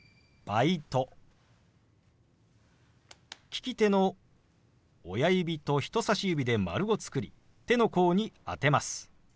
利き手の親指と人さし指で丸を作り手の甲に当てます。